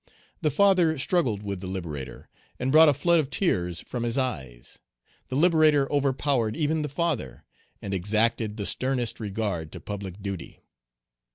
The father struggled with the liberator, and brought a flood of tears from his eyes. The liberator overpowered even the father, and exacted the sternest regard to public duty.